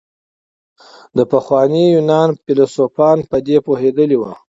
د پخواني يونان فيلسوفان په دې پوهېدلي وو.